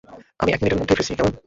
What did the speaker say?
আমি এক মিনিটের মধ্যে ফিরছি, কেমন?